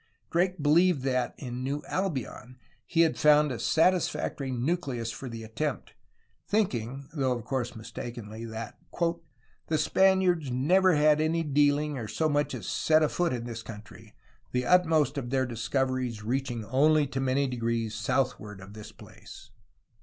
Drake believed that in "New Albion" he had found a satisfactory nucleus for the attempt, thinking (though, of course, mistakenly) that "The Spaniards neuer had any dealing, or so much as set a foote in this country, the vtmost of their discoueries reaching onely to many degrees Southward of this place."